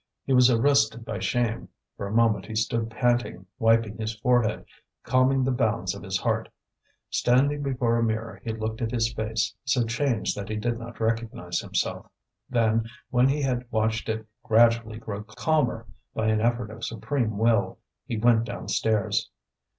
He was arrested by shame. For a moment he stood panting, wiping his forehead, calming the bounds of his heart. Standing before a mirror he looked at his face, so changed that he did not recognize himself. Then, when he had watched it gradually grow calmer by an effort of supreme will, he went downstairs.